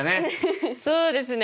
そうですね。